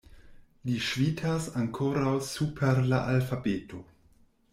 Li ŝvitas ankoraŭ super la alfabeto.